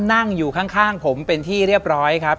นั่งอยู่ข้างผมเป็นที่เรียบร้อยครับ